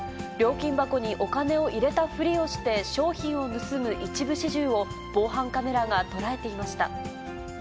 料金箱にお金を入れたふりをして商品を盗む一部始終を、防犯カメ